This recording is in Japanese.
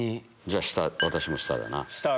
じゃあ私も下だな。